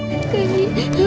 kita bisa ke depan